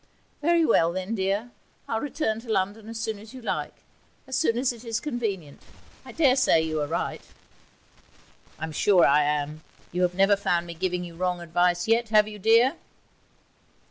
'Very well, then, my dear, I'll return to town as soon as you like as soon as it is convenient. I daresay you are right.' 'I'm sure I am. You have never found me giving you wrong advice yet, have you, dear?'